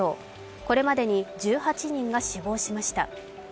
これまでに１８人が死亡しました。